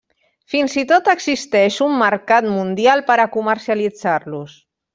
Fins i tot existeix un mercat mundial per a comercialitzar-los.